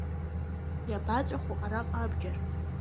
Иабаҵәаху араҟа абџьар…